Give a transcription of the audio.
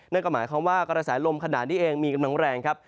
นั่นก็หมายความว่ากระแสลมขนาดนี้เองมีกำลังแรงครับ